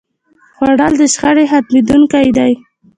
خوړل د شخړې ختموونکی دی